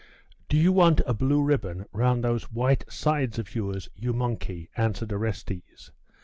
'Do you want a blue ribbon round those white sides of yours, you monkey?' answered Orestes.